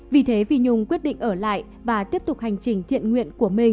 vì thế vi nhung quyết định ở lại và tiếp tục hành trình thiện nguyện của mình